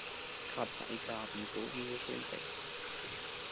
Grabbeigaben wurden nicht entdeckt.